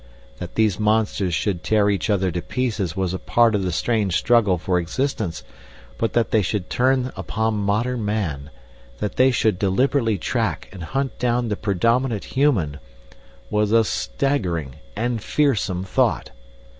That these monsters should tear each other to pieces was a part of the strange struggle for existence, but that they should turn upon modern man, that they should deliberately track and hunt down the predominant human, was a staggering and fearsome thought.